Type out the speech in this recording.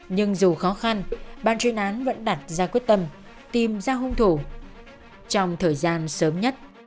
nhưng dù khó khăn ban chuyên án vẫn đặt ra quyết tâm tìm ra hung thủ trong thời gian sớm nhất